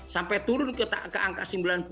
sampai turun ke angka sembilan puluh